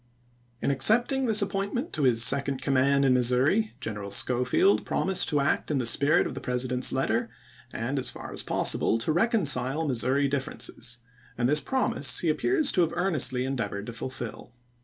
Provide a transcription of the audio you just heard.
In accepting this appointment to his second command in Missouri, General Schofield promised to act in the spirit of the President's letter, and as far as possible to reconcile Missouri differences, and this promise he appears to have earnestly en deavored to fulfill.